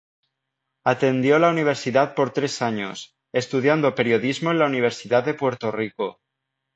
Atendió la Universidad por tres años, estudiando periodismo en la Universidad de Puerto Rico.